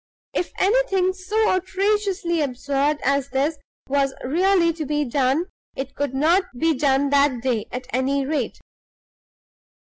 If anything so outrageously absurd as this was really to be done, it could not be done that day, at any rate.